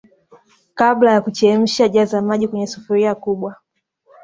Kabla ya kuchemsha jaza maji kwenye sufuria kubwa